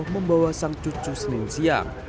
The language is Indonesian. membawa sang cucu sendiri